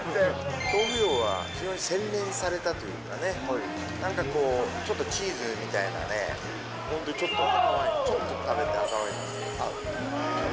豆腐ようは非常に洗練されたというか、なんかこう、ちょっとチーズみたいなね、本当にちょっと、ちょっと食べて、赤ワインが合う。